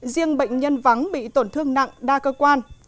riêng bệnh nhân vắng bị tổn thương nặng đa cơ quan